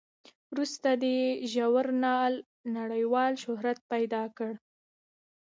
وروسته دې ژورنال نړیوال شهرت پیدا کړ.